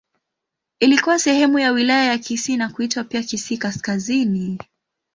Ilikuwa sehemu ya Wilaya ya Kisii na kuitwa pia Kisii Kaskazini.